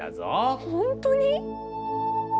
本当に！？